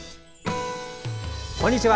こんにちは。